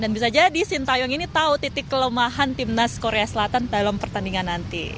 dan bisa jadi sintayong ini tahu titik kelemahan timnas korea selatan dalam pertandingan nanti